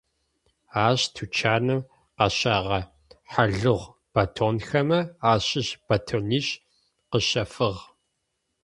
Ащ тучаным къащэгъэ хьалыгъу батонхэмэ ащыщ батонищ къыщэфыгъ.